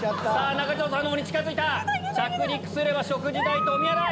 中条さんのほうに近づいた着陸すれば食事代とおみや代！